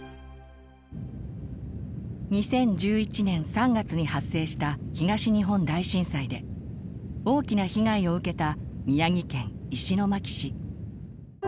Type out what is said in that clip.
２０１１年３月に発生した東日本大震災で大きな被害を受けた宮城県石巻市。